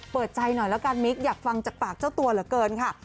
เปิดใจหน่อยแล้วกันมิกอยากฟังจากปากเจ้าตัวเหลือเกินค่ะ